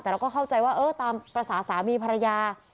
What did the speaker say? แต่เราก็เข้าใจว่าเออตามภาษาสามีภรรยา